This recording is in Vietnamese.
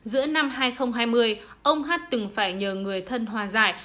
giữa năm hai nghìn hai mươi ông hát từng phải nhờ người thân hòa giải